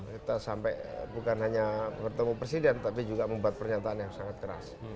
kita sampai bukan hanya bertemu presiden tapi juga membuat pernyataan yang sangat keras